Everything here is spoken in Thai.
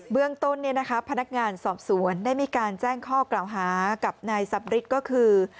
เบื้องต้นนี้นะคะพนักงานสอบสวนได้มีการแจ้งข้อกล่าวหากับนายสับฤทธิ์ก็คือ